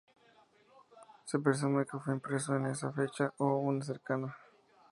Se presume que fue impreso en esa fecha o una cercana.